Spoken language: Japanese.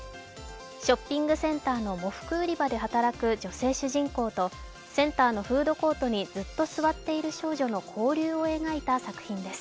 ショッピングセンターの喪服売り場で働く女性主人公と、センターのフードコートにずっと座っている少女の交流を描いた作品です。